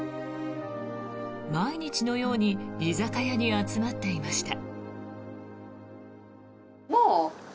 毎日のように居酒屋に集まっていました。